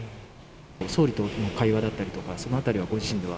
総理との会話だったりとか、そのあたりはご自身では。